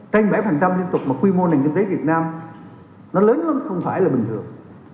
trên bảy liên tục mà quy mô nền kinh tế việt nam nó lớn nó không phải là bình thường